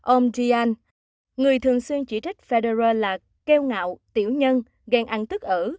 ông gian người thường xuyên chỉ trích federer là kêu ngạo tiểu nhân ghen ăn tức ở